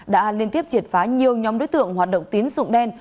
đã liên tiếp triệt phá nhiều nhóm đối tượng hoạt động tín dụng đen